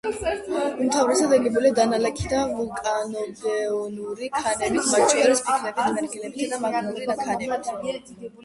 უმთავრესად აგებულია დანალექი და ვულკანოგენური ქანებით, მათ შორის: ფიქლებით, მერგელებითა და მაგმური ქანებით.